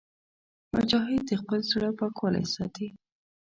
مجاهد د خپل زړه پاکوالی ساتي.